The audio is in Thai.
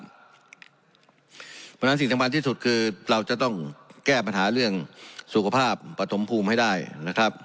เพราะฉะนั้นสิ่งสำคัญที่สุดคือเราจะต้องแก้ปัญหาเรื่องสุขภาพปฐมภูมิให้ได้นะครับ